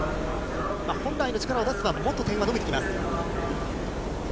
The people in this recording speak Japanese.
本来の力を出せば、もっと点は伸びてきます。